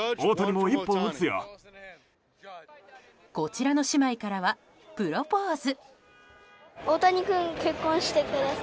こちらの姉妹からはプロポーズ。